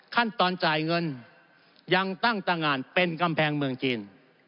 ขั้นตอนจ่ายเงินยังตั้งตางานเป็นกำแพงเมืองจีน